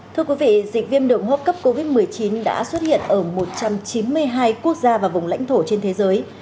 thưa quý vị dịch viêm đường hô hấp cấp covid một mươi chín đã xuất hiện ở một trăm chín mươi hai quốc gia và vùng lãnh thổ trên thế giới